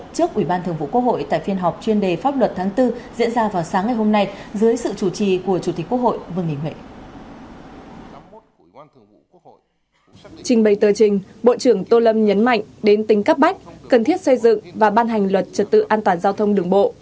trình bày tờ trình bày tờ trình bộ trưởng tô lâm nhấn mạnh đến tính cấp bách cần thiết xây dựng và ban hành luật trật tự an toàn giao thông đường bộ